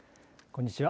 こんにちは。